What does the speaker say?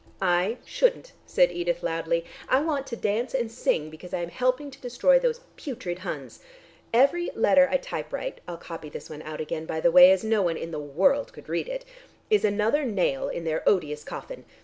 "I shouldn't," said Edith loudly. "I want to dance and sing because I am helping to destroy those putrid Huns. Every letter I typewrite I'll copy this one out again by the way, as no one in the world could read it is another nail in their odious coffin.